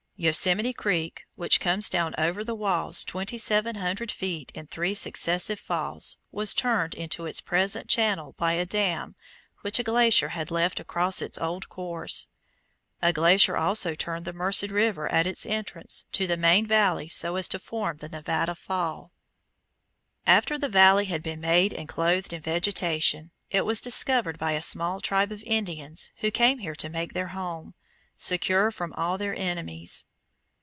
Yosemite Creek, which comes down over the walls twenty seven hundred feet in three successive falls, was turned into its present channel by a dam which a glacier had left across its old course. A glacier also turned the Merced River at its entrance to the main valley so as to form the Nevada Fall. [Illustration: FIG. 15. THE CAÑON OF BUBB'S CREEK, A BRANCH OF THE KING'S RIVER CAÑON] After the valley had been made and clothed in vegetation, it was discovered by a small tribe of Indians who came here to make their home, secure from all their enemies.